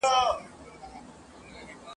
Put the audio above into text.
ته به مي پر قبر د جنډۍ په څېر ولاړه یې !.